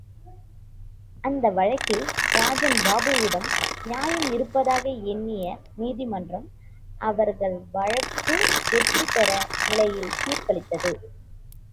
அந்த வழக்கில் ராஜன் பாபுவிடம் நியாயம் இருப்பதாக எண்ணிய நீதிமன்றம், அவர் வழக்கு வெற்றி பெறும் நிலையில் தீர்ப்பளித்தது.